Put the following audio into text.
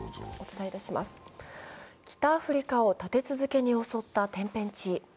北アフリカを立て続けに襲った天変地異。